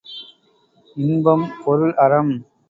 இன்பம் பொருள் அறம்